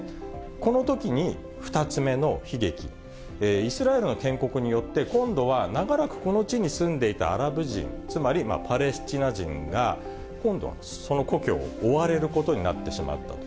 このときに２つ目の悲劇、イスラエルの建国によって、今度は長らくこの地に住んでいたアラブ人、つまりパレスチナ人が、今度はその故郷を追われることになってしまったと。